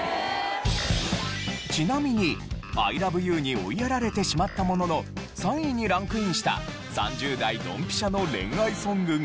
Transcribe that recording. ちなみに『ＩＬＯＶＥＹＯＵ』に追いやられてしまったものの３位にランクインした３０代ドンピシャの恋愛ソングが。